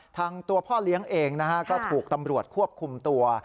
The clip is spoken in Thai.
ตัวพ่อเลี้ยงเองนะฮะก็ถูกตำรวจควบคุมตัว